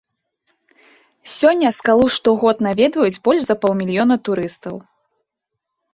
Сёння скалу штогод наведваюць больш за паўмільёна турыстаў.